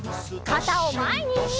かたをまえに！